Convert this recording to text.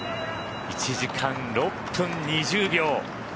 １時間６分２０秒。